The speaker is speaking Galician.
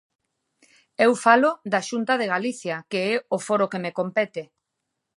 Eu falo da Xunta de Galicia, que é o foro que me compete.